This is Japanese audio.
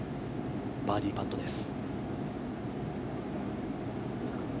バーディーパットです。